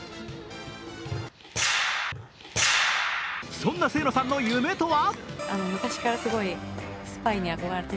そんな清野さんの夢とは？